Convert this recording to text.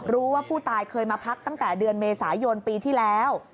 รู้ว่าผู้ตายเคยมาพักตั้งแต่เดือนเมษายนปีที่แล้ว